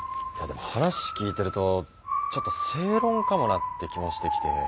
いやでも話聞いてるとちょっと正論かもなって気もしてきて。